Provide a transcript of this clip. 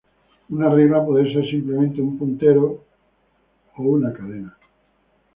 Una regla puede ser simplemente un puntero a una cadena.